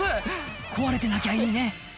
壊れてなきゃいいね